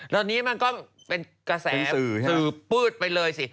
ตอนนี้มันก็เป็นกระแสสื่อปื๊ดไปเลยสิ